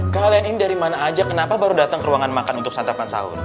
kalian ini dari mana aja kenapa baru datang ke ruangan makan untuk santapan sahur